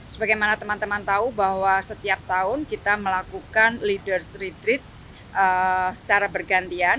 sebagaimana teman teman tahu bahwa setiap tahun kita melakukan leaders retreat secara bergantian